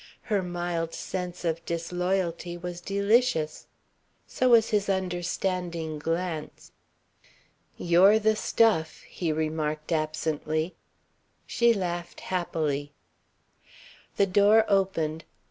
Her mild sense of disloyalty was delicious. So was his understanding glance. "You're the stuff," he remarked absently. She laughed happily. The door opened.